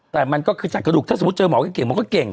แต่มันก็คือจัดกระดูกถ้าสมมุติเจอหมอก็เก่ง